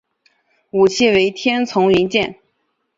武器为天丛云剑。